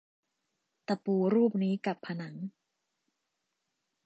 ตะปูรูปนี้กับผนัง